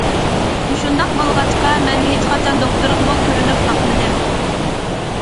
مۇشۇنداق بولغاچقا مەن ھېچقاچان دوختۇرغىمۇ كۆرۈنۈپ باقمىدىم.